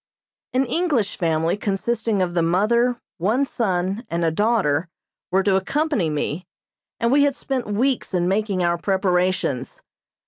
An English family consisting of the mother, one son and a daughter were to accompany me, and we had spent weeks in making our preparations.